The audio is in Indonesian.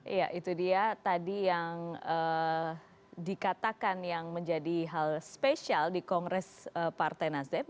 iya itu dia tadi yang dikatakan yang menjadi hal spesial di kongres partai nasdem